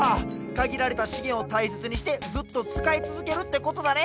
かぎられたしげんをたいせつにしてずっとつかいつづけるってことだね。